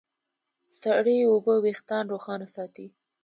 سړې اوبه وېښتيان روښانه ساتي.